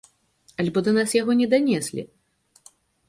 Альбо да нас яго не данеслі?